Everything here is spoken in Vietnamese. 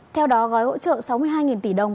theo đó gói hỗ trợ sáu mươi hai tỷ đồng